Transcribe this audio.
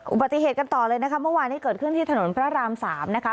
อุบัติเหตุกันต่อเลยนะคะเมื่อวานนี้เกิดขึ้นที่ถนนพระรามสามนะคะ